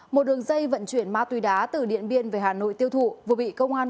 một đường dây vận chuyển ma túy đá từ điện biên về hà nội tiêu thụ vừa bị công an